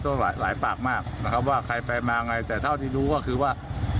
ก็หลายปากมากนะครับว่าใครไปมาไงแต่เท่าที่รู้ก็คือว่า